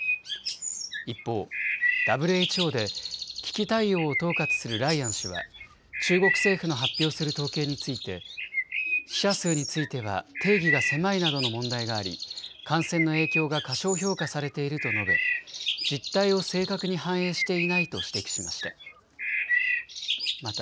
一方、ＷＨＯで危機対応を統括するライアン氏は中国政府の発表する統計について死者数については定義が狭いなどの問題があり、感染の影響が過小評価されていると述べ実態を正確に反映していないと指摘しました。